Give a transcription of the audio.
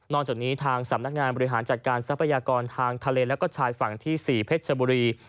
จากนี้ทางสำนักงานบริหารจัดการทรัพยากรทางทะเลแล้วก็ชายฝั่งที่๔เพชรชบุรี